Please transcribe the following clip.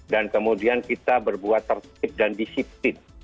dan kemudian kita berbuat tertib dan disipit